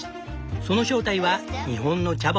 その正体は日本のチャボ。